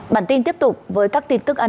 bản tin tiếp tục